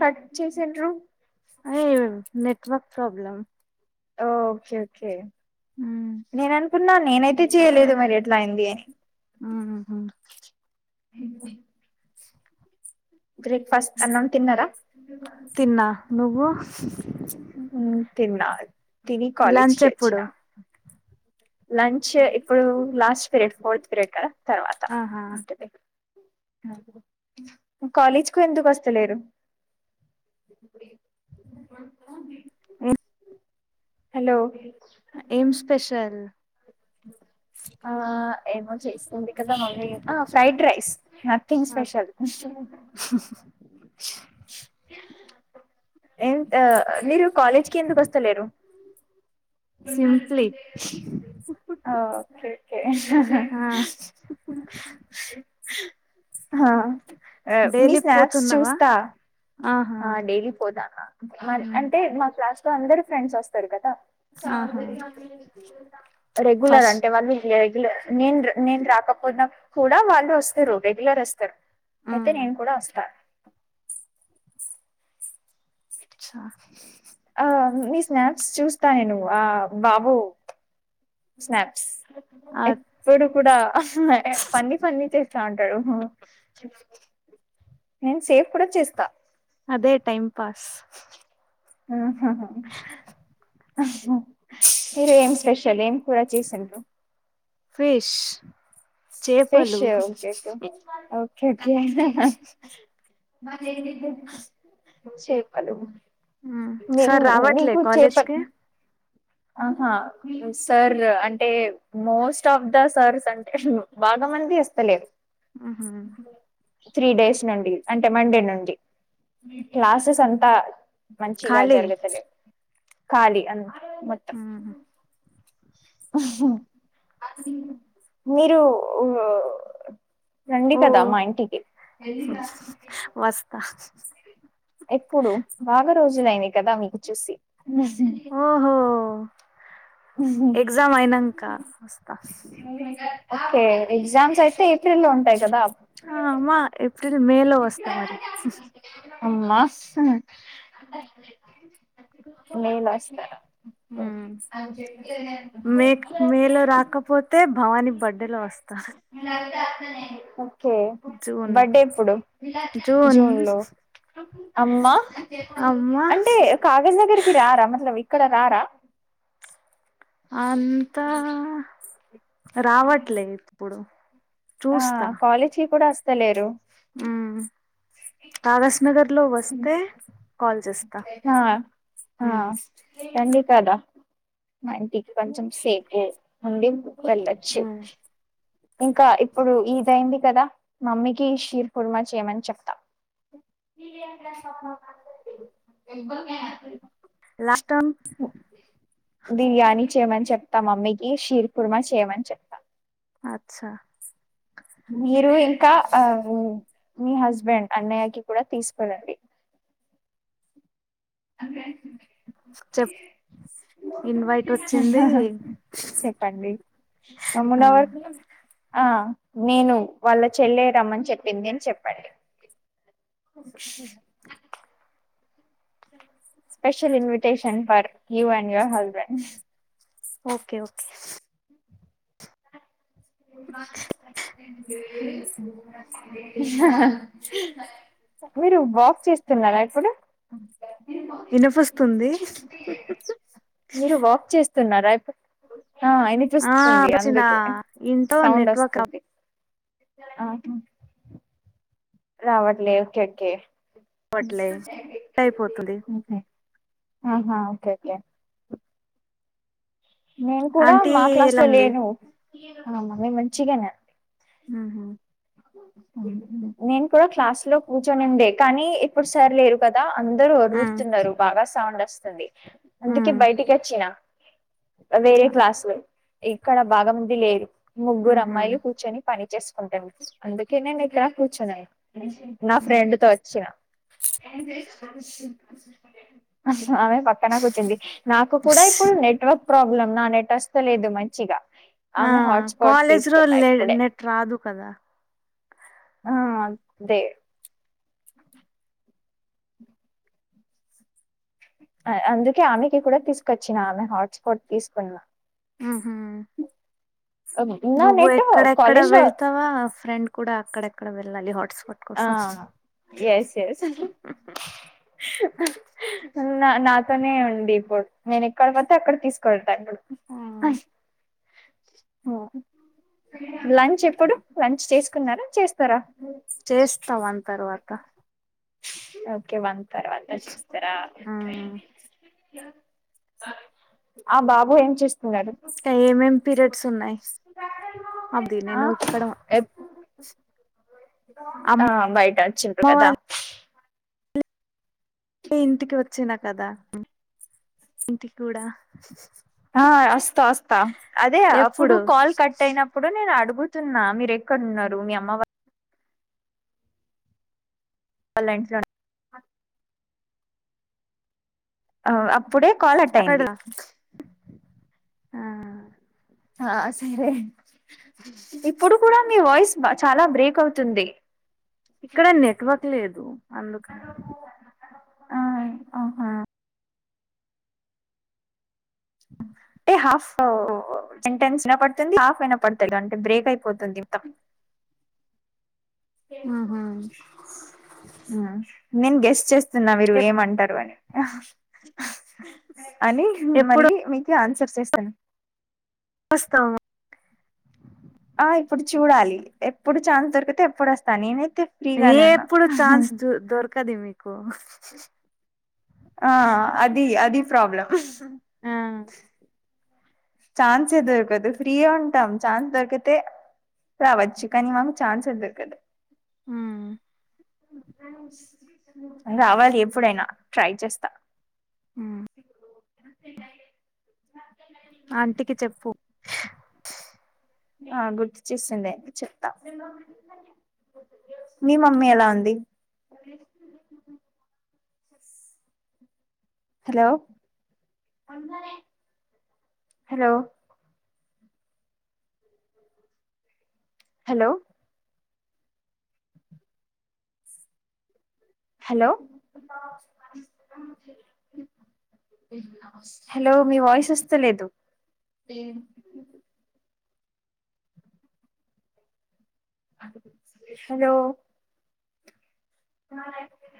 Cut చేసెండ్రు హాయె network problem okay okay నే న్ అనుకున్న నేనైతే కట్టె చేయలేదు మరి ఎట్లా అయింది ఆహహా హ బ్రేక్ఫాస్ట్ అన్నం తిన్నరా తిన్నా నువ్వు తిన్నా తిని లంచ్ కలేజ్కి వచ్చిన ఎప్పుడు లంచ్ ఎ ఇప్పుడు లాస్ట్ పిరడ్ ఫోర్త్ పిరియడ్ తర్వాత ఆహా అంటే కాలేజ్ కు ఎందుకు వస్తలేరు ఉమ్ హలో ఏం స్పెషల్ ఆ ఏమో చేస్ ఆ ఫ్రైడ్ రైస్ నధింగ్ స్పెషల్ ఎంత మీరు కాలేజ్కి ఎందుకు వస్తలేరు సింప్లీ స్ ఆ హ అ మీ డైలీ స్నాక్స్ చూస్ పోతున్నావా ఆహా ఆ డైలీ పోతాన్న అంటే మా క్లాస్ అయితే అందరు ఫ్రెండ్స్ వస్తారు కదా ఆహా రెగ్యులర్ ఫస్ట్ అంటే వాళ్ళు ఏ నేన్ర్ నేన్ రాకపోయినా కూడా వాళ్ళు వస్తారు రెగ్యులర్ వస్తారు అయితే నేను కూడా వస్తారు అచ్చ ఆ మీ స్నాప్స్ చూస్తా నేను్ ఆ బాబో స్నాప్స్ ఎప్పుడు కూడ ఫన్ని ఫన్ని చేస్తా ఉంటాడు నేను సేఫ్ కూడా చేస్తా. అదే టైం పాస్ ఆ ఆహా మీరేం స్పెషలేం కూడా చేసిటాము. ఫిష్ ఫిష్ చేపలు ఓకే ఓకే ఓక [inaudible] మరి ఏ చేపలు ఉం మీ సరే రావట్లే మీకు చేప కాలేజీకి ఆహా సార్ అంటే మోస్ట్ ఆఫ్ ద సార్స్ అంటే బాగా మంది వస్తలేరు. ఆహా త్రీ డేస్ నుండి అంటే మండే నుండి క్లాసెస్ అంతా. మంచిగా ఖాళీ జరగతలే. ఖాళీ అను ఉం మీరు ఓ ఓ ఓ వస్తా. [unintelligible] ఎప్పుడు బాగా రోజులయింది కదా మీకు చూసి ఓహో ఎగ్జామ్ అయినంకా వస్త. ఇంకా ఫెల్ ఎగ్జామ్స్ అయితే ఏప్రిల్ లో ఉంటాయి కదా. మేలో వోస్తా మరి. మస్త్ మే లాస్తారా. ఉ మే మేలో రాకపోతే భవానీ బర్డే లో వస్తా. వస్తా నేను ఓకే జూన్ బర్డే ఎప్పుడు. జూన్ లో అమ్మా అమ్మా అంటే కాగజ్నగర్ కి రారా మళ్ళ వే ఇక్కడ రారా అంతా రావట్లేద్ ఇప్పుడు. ఆ కాలేజ్ కి కూడా అస్ తలేరు మ్మ్ కాగస్ నగర్ లో వస్తే కాల్ చేస్తా ఆ ఆ ఉమ్ రండి కదా మా ఇంటికి కొంచం సేపు ఉండి వెల్లచ్చు ఇంకా ఇప్పుడు ఎయిటయింది కదా మమ్మీకి షీర్ కూర్మా చేయమని చెప్తా లాస్ట్ టైం బిర్యాని చేయమని చెప్తా మమ్మీకి షీర్ కూర్మ చేయమని చెప్తా చ్చా మీరు ఇంకా ఆ మీ హస్బెండ్ అన్నయ్యకిి కూడా తీసుకురండి అంతే చెప్ ఇన్వైట్ వచ్చింది చెప్పండి ఆ మొన్నవరకు ఆ నేను వాళ్ళ చెల్లె రమ్మన్ చెప్పింది అని చెప్పండి special invitation for you and your husband okay okay [unintelligible] [inaudible] అ [inaudible] మీరు వాక్ చేస్తున్నారా ఇప్పుడు వినుపుస్తుంది మీరు వాక్ చేస్తున్నారా ఇప్పుడు ఆ ఇనిపిస్తుంది వచ్చిన అందుకే ఇంట్లో సౌండ్ నెట్వర్క్ వస్తుంది ఆ హ్మ్ రావట్లే ఓకేకే అవ్వట్లే కట్ అయిపోతుంది మ్మ్ హ్మ్ హా ఓకే ఓకే నేను కూడా ఆంటీ మా క్లాస్ ఎలా లో ఉంది లేను ఆ మమ్మీ మంచిగనే ఉంది ఉహు నేను కూడా క్లాస్ లో కూర్చొనిండే కానీ ఇప్పుడు సర్ లేరు కదా అందరూ ఉ వరురుతున్నారు బాగా సౌండొ వస్తుంది అందుకే బయటికెచ్చిన వేరే క్లాస్ లో ఇక్కడ బాగాముంది లేరు ముగ్గురు ఉహు అమ్మాయిలు కూచొని పని చేసుకుంటా మీకి అందుకే నే నీ ఇట్లా కూర్చొనన్నా నా ఫ్రెండ్ తో వచ్చిన అహ్ ఆమె పక్కన కూచ్చింది నాకు కూడా ఇప్పుడు నెట్వర్క్ ప్రాబ్లం నా నెట్ వస్తలేదు మంచిగా ఆ ఆమె హాట్స్పాట్ కాలేజీ లో తీసుకున్నా ఇప్పుడే నెట్ రాదు కదా ఆ అదే అందుకే ఆమెకి కూడా తీసుకొచ్చిన ఆమె హాట్స్పాట్ తీసుకున్నా ఆహా నా నువ్వు నెట్ ఎక్కడ ఎక్కడ కాలేజ్ లో వెళ్తావా ఫ్రెండ్ కూడా అక్కడ కల ఆ ఎస్ ఎస్ నా నాతోనే ఉండి ఇప్పుడు నేను ఎక్కడ పోతే అక్కడ తీసుకోడి అ లంచ్ ఎప్పుడు లంచ్ చేసుకున్నారా చేస్తారా చేస్తా వన్ తర్వాత ఓకే వన్ తర్వాత చూస్తారా ఆ ఆ బాబు ఏం చేస్తు ఇకా ఏమేం పీరియడ్స్ ఉన్నాయి అది ఆ నేను ఇక్కడ ఎప్ అమ్మ ఆ బయట వచ్చిండ్రు కదా వాళ్ళ ఇంటికి వచ్చిన కదా ఇంటు కూడా ఆ వస్తా వస్తా అదే అప్పుడు ఎప్పుడు కాల్ కట్ అయినప్పుడు నేను అడు కూర్చున్న మీరు ఎక్కడన్నారు మీ అమ్మవా హ లైన్స్ ఆ అప్ ప్పుడే కాల్ అట్ అక్కడ అయింది ఆ ఆ సరే ఇప్పుడు కూడా మీ వాయిస్ ప చాలా బ్రేక్ అవుతుంది ఇక్కడ నెట్వర్క్ లేదు అందుకని ఆ ఆహా అంటే హాఫ్ సెంటెన్ పడుతుంది హాఫ్ అయినా పడుతు అంటే బ్రేక్ అయిపోతుంది హు. హు ఉమ్, నేను గెస్ చేస్ స్తున్న మీరు ఏమంటారు అని ఆహా అని ఎప్పుడు మళ్ళీ మీ కి ఆన్సర్స్ చేస్తాను వాస్కా ఆ ఇప్పుడు చూడాలి ఎప్పుడు ఛాన్స్ దొరికితే అప్పుడు వస్తా నేనే ఏ ఎప్పుడు ఛాన్స్ దొ దొరకది మీకు ఆ అది అది ప్రాబ్లం హు ఛాన్స్ ఏ దొరకదు ఫ్రీగా ఉంటాం ఛాన్స్ దొరికితే రావచ్చు కానీ మాకు ఛాన్స్ ఏ దొరకదు హు రావాలి ఎప్పుడైనా ట్రై చేస్తా [unintelligible] ఆంటికి చెప్పు ఆ గుర్తు చేసిందే చెతా మీ మమ్మీ ఎలా ఉంది hello hello hello hello hello మీ వాయిస్ వస్తలేదు హలో మ